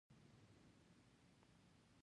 دا بشري هویت او مظلومیت زموږ برخه کېدای شي.